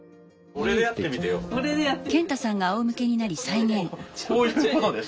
こういうことでしょ？